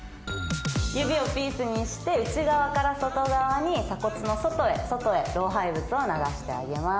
指をピースにして内側から外側に外へ外へ老廃物を流してあげます。